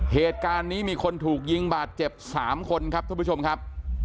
เหตุการณ์นี้มีคนถูกยิงบาดเจ็บ๓คนครับท่านผู้ชมครับ